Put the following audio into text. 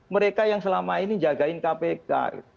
mereka yang selama ini jagain kpk